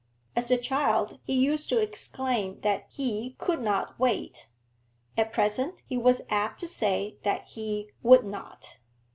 As a child he used to exclaim that he could not wait; at present he was apt to say that he would not.